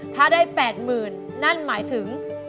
ถ้าได้๘๐๐๐นั่นหมายถึง